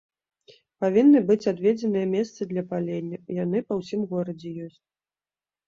Павінны быць адведзеныя месцы для палення, яны па ўсім горадзе ёсць.